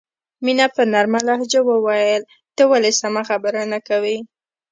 مینه په نرمه لهجه وویل ته ولې سمه خبره نه کوې